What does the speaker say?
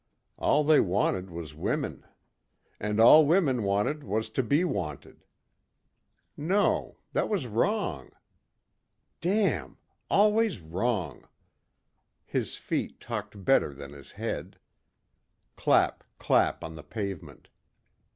All they wanted was women. And all women wanted was to be wanted. No. That was wrong. Damn! Always wrong! His feet talked better than his head. Clap, clap on the pavement.